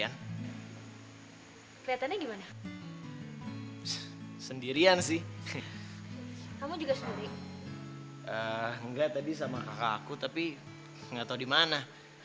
eee enggak tadi sama kakak aku tapi enggak tahu di mana